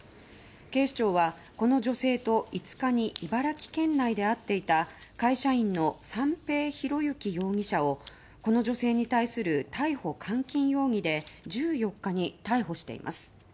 警視庁は、この女性と５日に茨城県内で会っていた会社員の三瓶博幸容疑者をこの女性に対する逮捕監禁容疑で１４日に逮捕しています。